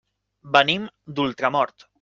Venim d'Ultramort.